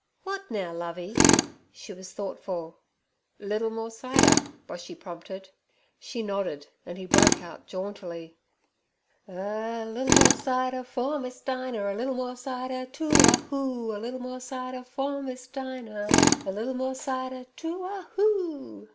'W'at now, Lovey?' She was thoughtful. 'Liddle more cider?' Boshy prompted. She nodded, and he broke out jauntily: '"A liddle more cider for Miss Dinah. A liddle more cider too a hoo. A liddle more cider for Miss Dinah. A liddle more cider too a hoo."'